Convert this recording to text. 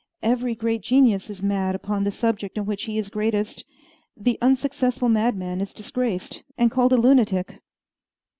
Every great genius is mad upon the subject in which he is greatest. The unsuccessful madman is disgraced and called a lunatic.